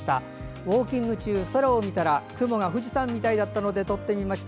ウォーキング中、空を見たら雲が富士山みたいだったので撮ってみました。